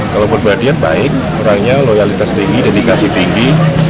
kalau perpergian baik kurangnya loyalitas tinggi dedikasi tinggi